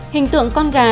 hình tượng con gà